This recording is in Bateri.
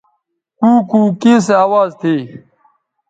کُوکُو کیں سو اواز تھی؟